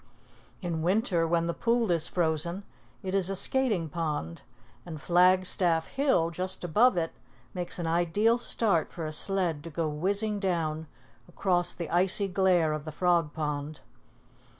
In winter, when the pool is frozen, it is a skating pond, and Flag Staff Hill, just above it, makes an ideal start for a sled to go whizzing down across the icy glare of the Frog Pond.